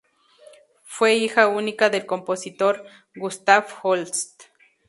Fue hija única del compositor Gustav Holst.